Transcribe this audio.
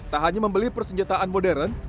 tak hanya membeli persenjataan modern